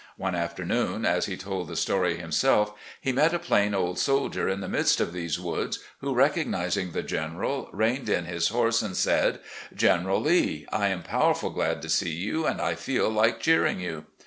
One afternoon, as he told the story himself, he met a plain old soldier in the midst of these woods, who, recog nising the General, reined in his horse and said : "General Lee, I am powerful glad to see you, and I feel like cheering you."